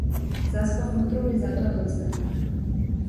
Заспавме утрово и затоа доцневме.